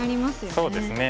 そうですね。